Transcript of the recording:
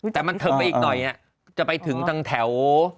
แต่มันเถอะไปอีกหน่อยจะไปถึงทางแถว